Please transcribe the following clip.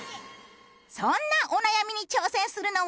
そんなお悩みに挑戦するのは。